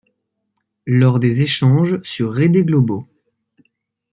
Lors des échanges sur Rede Globo.